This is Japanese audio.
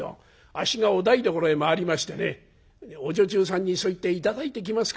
あっしがお台所へ回りましてねお女中さんにそう言って頂いてきますから」。